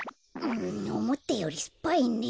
んおもったよりすっぱいね。